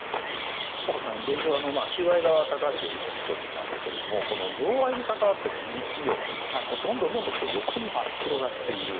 若狭さん、現状収賄側は高橋容疑者１人ですが贈賄に関わった企業がどんどん横に広がっている。